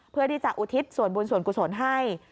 เพื่อที่จะอุทิศส่วนบุญส่วนกุศลให้